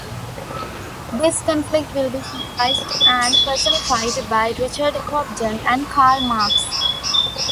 This conflict will be symbolised and personified by Richard Cobden and Karl Marx.